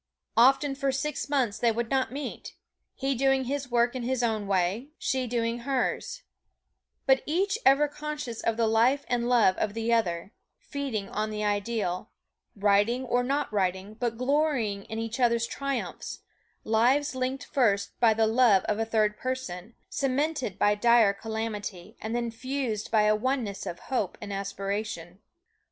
Often for six months they would not meet, he doing his work in his own way, she doing hers, but each ever conscious of the life and love of the other feeding on the ideal writing or not writing, but glorying in each other's triumphs lives linked first by the love of a third person, cemented by dire calamity, and then fused by a oneness of hope and aspiration.